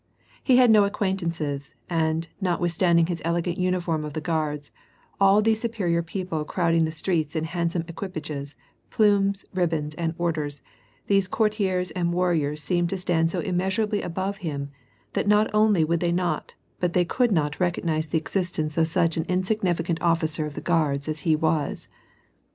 He had no acquaintainces, and, notwithstanding his elegant uniform of the Guards, all these superior people crowding the streets in handsome equipages, plumes, ribbons, and orders, these courtiers and warriors seemed to stand so immeasurably above him that not only they would not but they could not recognize the existence of such an insignificant officer of the Guards as he was.